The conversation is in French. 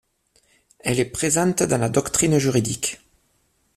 Elle est présente dans la doctrine juridique.